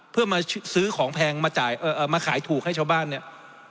เพื่อมาซื้อของแพงมาจ่ายมาขายถูกให้ชาวบ้านเนี่ย